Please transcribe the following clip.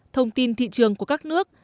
thông tin thị trường của các nước